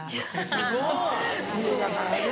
すごい。家だからね。